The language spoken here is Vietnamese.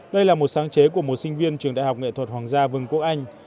đây là một sáng chế của một sinh viên trường đại học nghệ thuật hoàng gia vương quốc anh